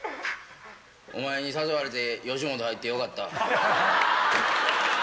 お前に誘われて吉本入ってよかったわ。